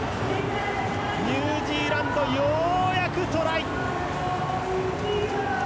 ニュージーランドようやくトライ！